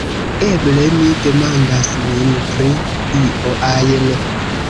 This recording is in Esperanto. Eble li demandas min pri io ajn!"